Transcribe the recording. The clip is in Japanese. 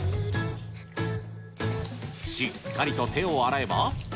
しっかりと手を洗えば。